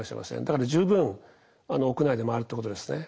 だから十分屋内で回るってことですね。